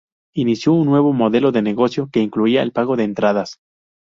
Inició un nuevo modelo de negocio, que incluía el pago de entradas.